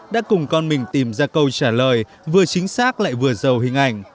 đã cùng con mình tìm ra câu trả lời vừa chính xác lại vừa giàu hình ảnh